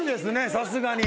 さすがに。